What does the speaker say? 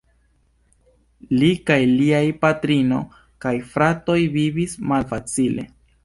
Li kaj liaj patrino kaj fratoj vivis malfacile.